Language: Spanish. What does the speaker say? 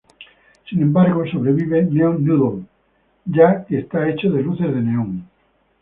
Sin embargo, sobrevive Neon Noodle, ya que está hecho de luces de neón.